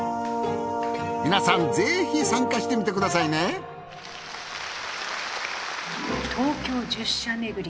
皆さんぜひ参加してみてくださいね東京十社めぐり。